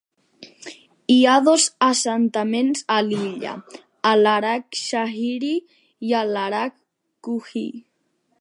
Hi ha dos assentaments a l'illa: el Larak Shahri i el Larak Kuhi.